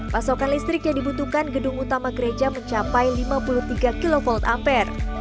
pasokan listrik yang dibutuhkan gedung utama gereja mencapai lima puluh tiga kv ampere